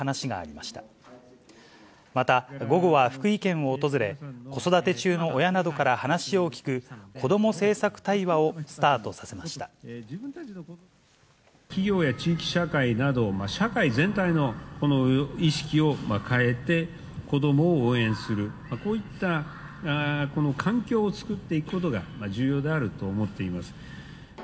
また、午後は福井県を訪れ、子育て中の親などから話を聞く、子ども政策対話をスタートさせま企業や地域社会など、社会全体の意識を変えて、子どもを応援する、こういったこの環境を作っていくことが重要であると思っています。